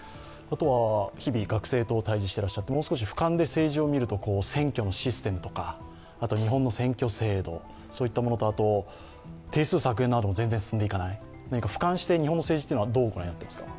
日々学生と対じしてらっしゃってもう少しふかんで政治を見ると選挙のシステムとか、日本の選挙制度といったものと、あと、定数削減なども全然進んでいかない、ふかんして日本の政治はどうご覧になっていますか？